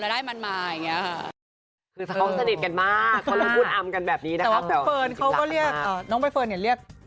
แล้วได้มันมาอย่างนี้ค่ะ